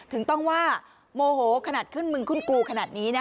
ถึงต้องว่าโมโหขนาดขึ้นมึงขึ้นกูขนาดนี้นะ